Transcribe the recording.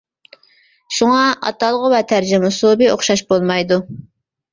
شۇڭا، ئاتالغۇ ۋە تەرجىمە ئۇسلۇبى ئوخشاش بولمايدۇ.